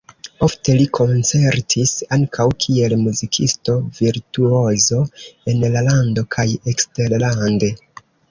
Ofte li koncertis ankaŭ kiel muzikisto-virtuozo en la lando kaj eksterlande.